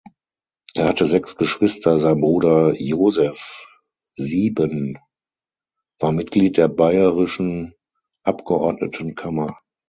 Er hatte sechs Geschwister, sein Bruder Josef Siben war Mitglied der Bayerischen Abgeordnetenkammer.